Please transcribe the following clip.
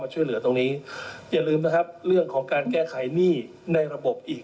ช่วยเหลือตรงนี้อย่าลืมนะครับเรื่องของการแก้ไขหนี้ในระบบอีก